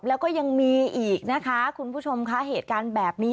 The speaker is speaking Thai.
แล้วก็ยังมีอีกนะคะคุณผู้ชมค่ะเหตุการณ์แบบนี้